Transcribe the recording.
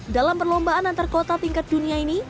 dalam perlombaan antarkota tingkat dunia ini